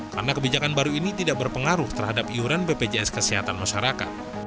karena kebijakan baru ini tidak berpengaruh terhadap iuran bpjs kesehatan masyarakat